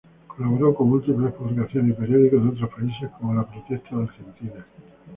Colaboró con múltiples publicaciones y periódicos de otros países, como "La Protesta" de Argentina.